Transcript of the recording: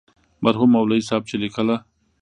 مرحوم مولوي صاحب چې لیکله.